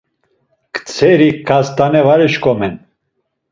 Ktseri ǩast̆ane var işǩomen.